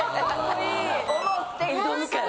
・思って挑むから。